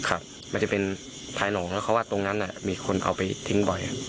มันจะเป็นภายหนองแล้วเพราะว่าตรงนั้นมีคนเอาไปทิ้งบ่อย